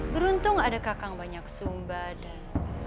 beruntung ada kakang banyak sumba dan